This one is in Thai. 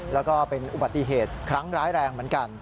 แล้วก็เป็นอุบัติเหตุครั้งร้ายแรงเหมือนกัน